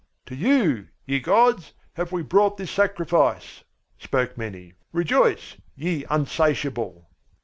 "To you, ye gods, have we brought this sacrifice," spoke many. "Rejoice, ye unsatiable!"